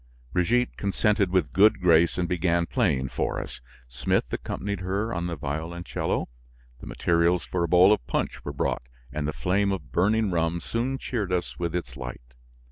Brigitte consented with good grace and began playing for us; Smith accompanied her on the violoncello. The materials for a bowl of punch were brought and the flame of burning rum soon cheered us with its light.